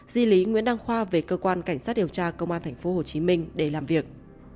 di lý nguyễn đăng khoa về cơ quan cảnh sát điều tra công an thành phố hồ chí minh để làm việc